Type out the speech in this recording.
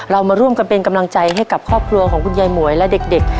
เรามาร่วมกันเป็นกำลังใจให้กับครอบครัวของคุณยายหมวยและเด็ก